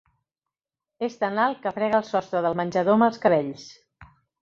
És tan alt, que frega el sostre del menjador amb els cabells.